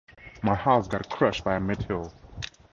My house got crushed by a meteor.